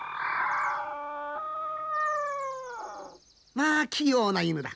まあ器用な犬だ。